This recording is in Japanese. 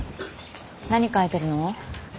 何描いてるの？